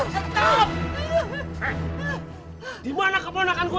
masih gak ada satu orang lagi